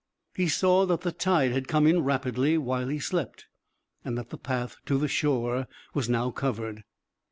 He saw that the tide had come in rapidly while he slept, and that the path to the shore was now covered.